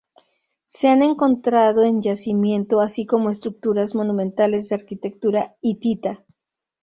Se han encontrado en yacimiento así como estructuras monumentales de arquitectura hitita.